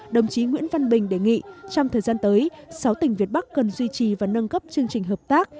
đồng chí nguyễn văn bình đề nghị trong thời gian tới sáu tỉnh việt bắc cần duy trì và nâng cấp chương trình hợp tác